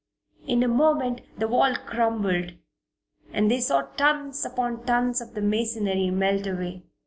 In a moment the wall crumbled and they saw tons upon tons of the masonry melt away.